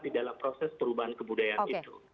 di dalam proses perubahan kebudayaan itu